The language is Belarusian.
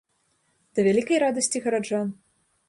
Да вялікай радасці гараджан.